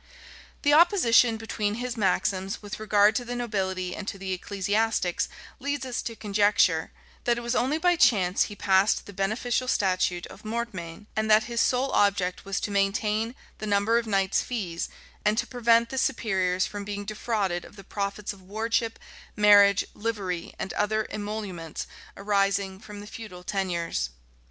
The opposition between his maxims with regard to the nobility and to the ecclesiastics, leads us to conjecture, that it was only by chance he passed the beneficial statute of mortmain, and that his sole object was to maintain the number of knights' fees, and to prevent the superiors from being defrauded of the profits of wardship, marriage, livery, and other emoluments arising from the feudal tenures.